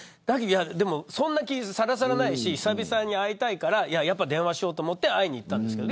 そんな気はさらさらないし久しぶりに会いたいから電話しようと思って会いに行ったんですけど。